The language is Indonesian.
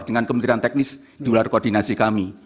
dengan kementerian teknis di luar koordinasi kami